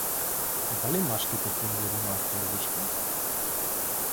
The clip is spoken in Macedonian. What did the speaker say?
Дали машките кенгури имаат торбичка?